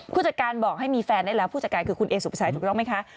ผู้จัดการบอกให้มีแฟนได้แล้วผู้จัดการคือคุณเอสุภาชัยถูกต้องไหมคะ